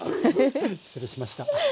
失礼しました。